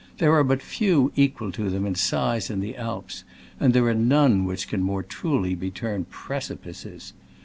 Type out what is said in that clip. There are but few equal to them in size in the Alps, and there are none which can more truly be termed precipices.